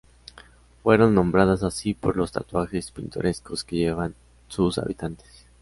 Fueron nombradas así por los tatuajes pintorescos que llevaban sus habitantes.